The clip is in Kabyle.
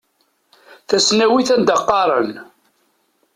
Tasnawit anda qqaren.